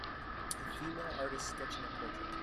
A female artist sketching a portrait